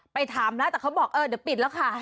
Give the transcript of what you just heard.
ไปถามแล้วแต่เขาบอกเออเดี๋ยวปิดแล้วค่ะ